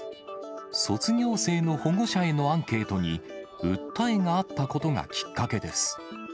卒業生の保護者へのアンケートに、訴えがあったことがきっかけです。